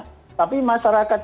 tapi masyarakat kita masih berpikir